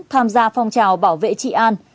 tham gia phong trào bảo vệ trị an